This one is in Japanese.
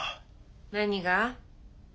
何が？